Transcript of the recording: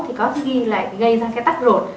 thì có khi lại gây ra cái tắc rột